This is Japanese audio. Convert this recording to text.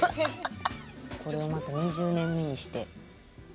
これをまた２０年目にして。